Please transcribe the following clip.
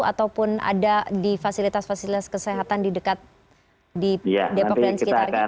ataupun ada di fasilitas fasilitas kesehatan di dekat di depok dan sekitarnya